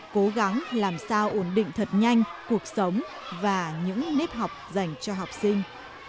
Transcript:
cố gắng làm sao ổn định thật nhanh cuộc sống và những nếp học dành cho học sinh